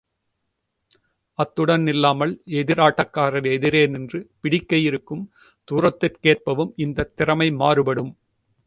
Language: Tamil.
அத்துடன் நில்லாமல், எதிராட்டக்காரர் எதிரே நின்று பிடிக்க இருக்கும் தூரத்திற்கேற்பவும் இந்தத் திறமை மாறுபடும்.